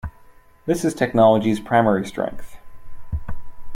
This is the technology's primary strength.